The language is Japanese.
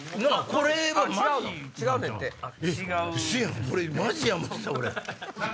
これマジや思ってた。